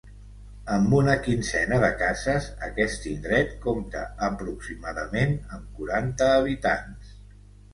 Amb una quinzena de cases, aquest indret compta aproximadament amb quaranta habitants.